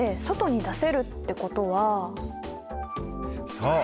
そう！